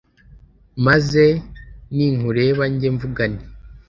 maze ninkureba njye mvuga nti